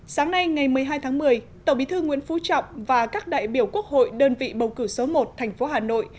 sáng nay ngày một mươi hai tháng một mươi tổng bí thư nguyễn phú trọng và các đại biểu quốc hội đơn vị bầu cử số một thành phố hà nội